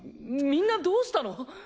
みんなどうしたの？